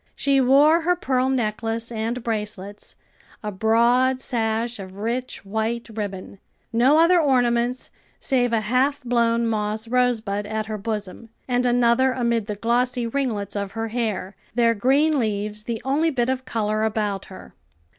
She wore her pearl necklace and bracelets, a broad sash of rich white ribbon; no other ornaments save a half blown moss rosebud at her bosom, and another amid the glossy ringlets of her hair, their green leaves the only bit of color about her.